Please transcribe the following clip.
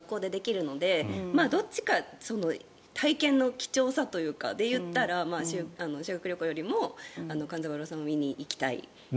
で、友達と過ごすのも学校でできるのでどっちか体験の貴重さでいったら修学旅行よりも勘三郎さんを見に行きたい。